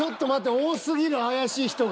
多すぎる怪しい人が。